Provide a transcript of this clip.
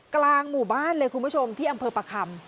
กลางหมู่บ้านเลยคุณผู้ชมที่อำเภอประคำ